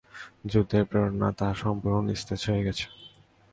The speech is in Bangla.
যুদ্ধের প্রেরণা তার সম্পূর্ণ নিস্তেজ হয়ে গেছে।